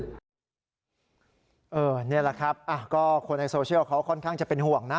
นี่แหละครับก็คนในโซเชียลเขาค่อนข้างจะเป็นห่วงนะ